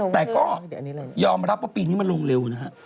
แต่ก็ยอมรับว่าปีนี้มันลงเร็วนะฮะ